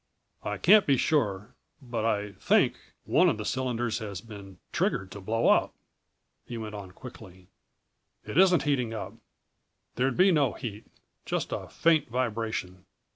"I can't be sure, but I think ... one of the cylinders has been triggered to blow up," he went on quickly. "It isn't heating up. There'd be no heat just a faint vibration.